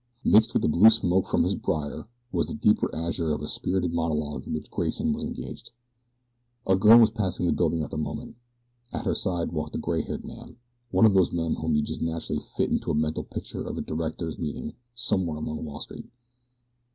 Mixed with the blue of the smoke from his briar was the deeper azure of a spirited monologue in which Grayson was engaged. A girl was passing the building at the moment. At her side walked a gray haired man one of those men whom you just naturally fit into a mental picture of a director's meeting somewhere along Wall Street.